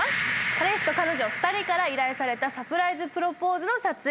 彼氏と彼女２人から依頼されたサプライズプロポーズの撮影。